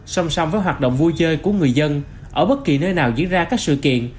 song song với hoạt động vui chơi của người dân ở bất kỳ nơi nào diễn ra các sự kiện